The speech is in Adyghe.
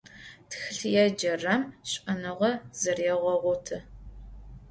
Тхылъ еджэрэм шӀэныгъэ зэрегъэгъоты.